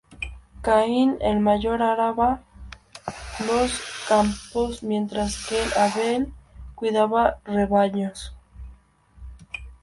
Caín, el mayor, araba los campos mientras que Abel cuidaba rebaños.